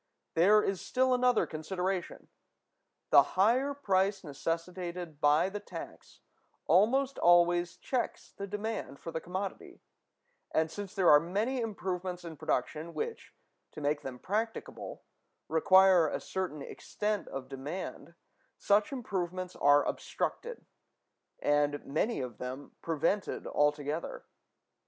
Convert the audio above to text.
There is still another consideration: the higher price necessitated by the tax almost always checks the demand for the commodity; and, since there are many improvements in production which, to make them practicable, require a certain extent of demand, such improvements are obstructed, and many of them prevented altogether.